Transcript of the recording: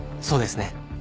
そうですね。